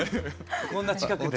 こんな近くで。